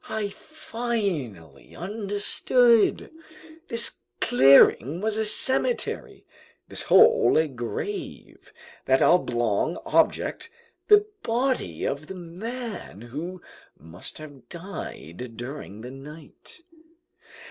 I finally understood! This clearing was a cemetery, this hole a grave, that oblong object the body of the man who must have died during the night!